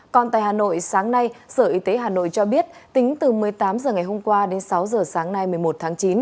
còn tại hà nội sáng nay sở y tế hà nội cho biết tính từ một mươi tám h ngày hôm qua đến sáu h sáng nay một mươi một tháng chín